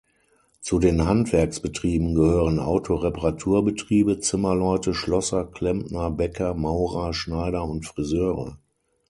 Zu den Handwerksbetrieben gehören Auto-Reparaturbetriebe, Zimmerleute, Schlosser, Klempner, Bäcker, Maurer, Schneider und Friseure.